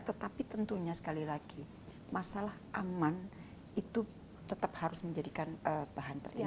tetapi tentunya sekali lagi masalah aman itu tetap harus menjadikan bahan terindah